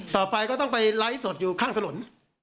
ต่อไปก็ต้องไปไลฟ์สดอยู่ข้างถนน